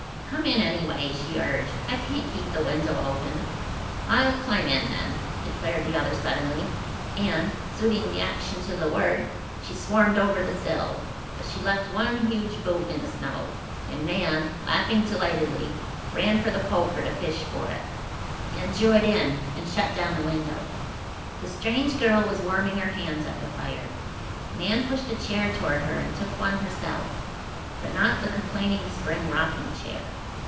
"Come in, anyway," she urged. "I can't keep the window open." "I'll climb in, then," declared the other suddenly, and, suiting the action to the word, she swarmed over the sill; but she left one huge boot in the snow, and Nan, laughing delightedly, ran for the poker to fish for it, and drew it in and shut down the window. The strange girl was warming her hands at the fire. Nan pushed a chair toward her and took one herself, but not the complaining spring rocking chair.